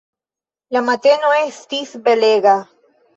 La mateno estis belega.